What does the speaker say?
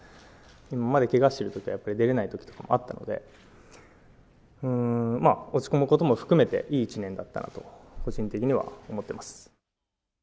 今までけがしてるときは、出れないこともあったので、落ち込むことも含めて、いい１年だったなと、個人的には思ってます。